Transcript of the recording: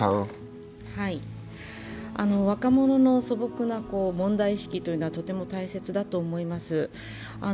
若者の素朴な問題意識というのはとても大切だと思います。